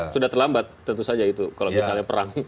sudah terlambat tentu saja itu kalau misalnya perang